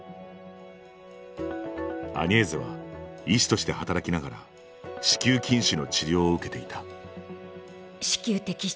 アニェーゼは医師として働きながら子宮筋腫の治療を受けていた子宮摘出。